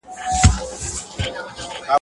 پردى کټ تر نيمو شپو وي.